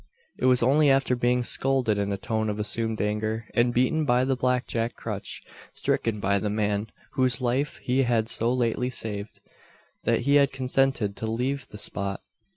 It was only after being scolded in a tone of assumed anger, and beaten by the black jack crutch stricken by the man whose life he had so lately saved, that he had consented to leave the spot.